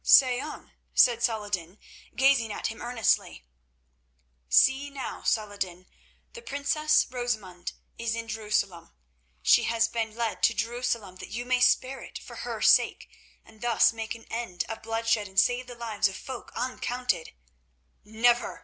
"Say on," said Saladin, gazing at him earnestly. "See now, Salah ed din, the princess Rosamund is in Jerusalem. She has been led to Jerusalem that you may spare it for her sake, and thus make an end of bloodshed and save the lives of folk uncounted." "Never!"